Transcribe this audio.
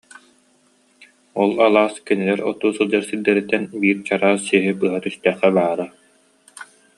Ол алаас кинилэр оттуу сылдьар сирдэриттэн биир чараас сиһи быһа түстэххэ баара